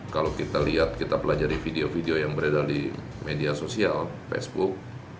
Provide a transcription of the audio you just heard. kalau kita lihat kita pelajari video video yang beredar di media sosial facebook